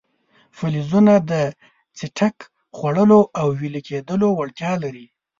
فلزونه د څټک خوړلو او ویلي کېدو وړتیا لري.